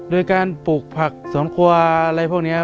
โดยการปลูกผักสวนครัวอะไรพวกนี้